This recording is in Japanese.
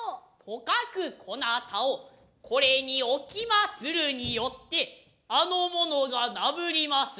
とかくこなたをこれに置きまするによってあの者が嬲りまする。